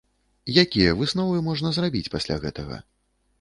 Якія высновы можна зрабіць пасля гэтага?